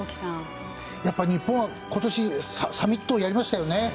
やっぱり日本は今年サミットやりましたよね。